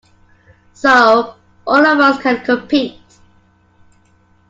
So all of us can compete.